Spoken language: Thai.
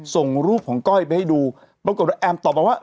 ส่งรูปของก้อยไปให้ดูปรากฏว่าแอมตอบมาว่า